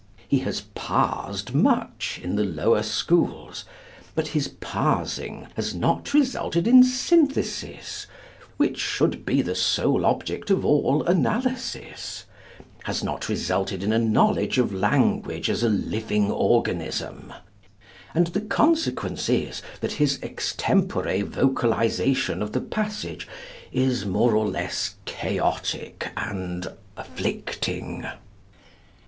He has 'parsed' much in the lower schools, but his parsing has not resulted in synthesis (which should be the sole object of all analysis), has not resulted in a knowledge of language as a living organism, and the consequence is that his extempore vocalization of the passage is more or less chaotic and afflicting.